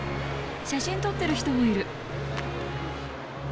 写真撮ってる人もいる。